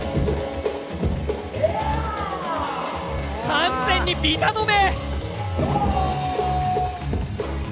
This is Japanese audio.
完全にビタ止め！